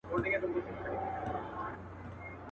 اشنا کوچ وکړ کوچي سو زه یې پرېښودم یوازي.